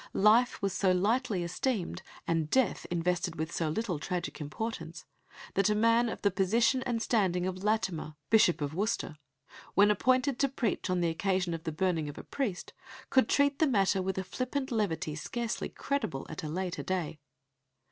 Life was so lightly esteemed, and death invested with so little tragic importance, that a man of the position and standing of Latimer, Bishop of Worcester, when appointed to preach on the occasion of the burning of a priest, could treat the matter with a flippant levity scarcely credible at a later day.